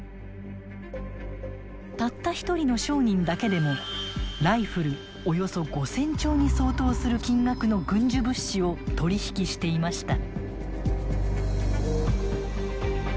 たった一人の商人だけでもライフルおよそ５，０００丁に相当する金額の軍需物資を取り引きしていました。